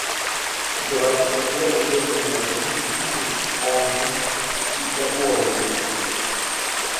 Die Bereiche Verkehr, Umwelt und Energie sind Zukunftsbranchen, die ich hervorheben möchte.